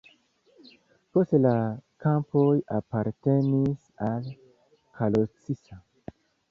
Poste la kampoj apartenis al Kalocsa.